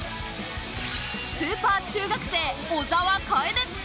スーパー中学生・小澤楓。